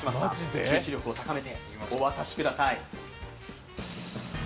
集中力を高めてお渡しください。